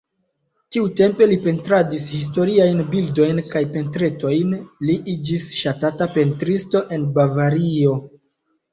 Tiutempe li pentradis historiajn bildojn kaj portretojn, li iĝis ŝatata pentristo en Bavario.